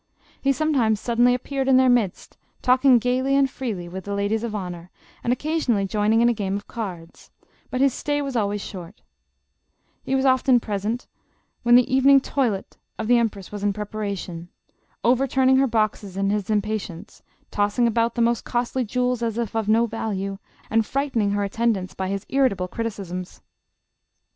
He some times suddenly appeared in their midst, talking gaily and freely with the ladies of honor, and occasionally joining in a game of cards, but his stay was always short He was often present while the evening toilet L 256 JOSEPHINE. of the empress was in preparation, overturning her boxes in his impatience, tossing about the most costly jewels as if of no value, and frightening her attendants by his irritable criticisms.